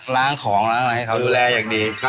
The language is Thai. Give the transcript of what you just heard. ล้างของล้างอะไรให้เขา